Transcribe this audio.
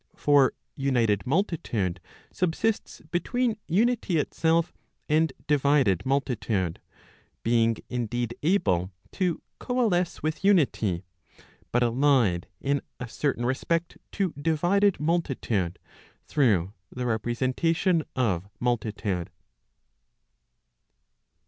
For united multitude subsists between unity itself and divided multitude; being indeed able * to coalesce with unity, but allied in a certain respect to divided multitude, through the repre¬ sentation of multitude.